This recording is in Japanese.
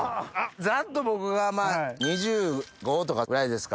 ざっと僕が２５とかぐらいですか。